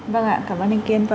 vâng ạ cảm ơn anh kiên